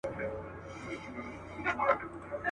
له خولې دي د رقیب د حلوا بوئ راځي ناصحه.